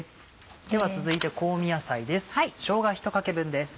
では続いて香味野菜です